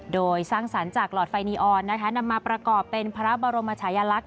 โดยสร้างสรรค์จากหลอดไฟนีออนนำมาประกอบเป็นพระบรมชายลักษณ